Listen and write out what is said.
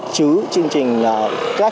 chứ chương trình là